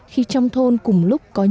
khi trong thôn cùng lúc có nạn nhân